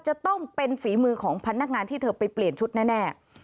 จะต้องเป็นฝีมือของพนักงานที่เธอไปเปลี่ยนชุดแน่